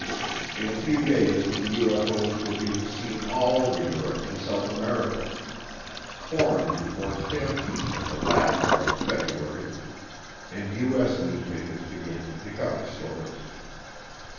In a few days the UFO's were being seen all over Europe and South America. Foreign reports hit a peak in the latter part of February and U.S. newspapers began to pick up the stories.